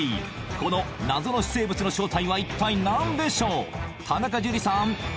この謎の生物の正体は一体何でしょう？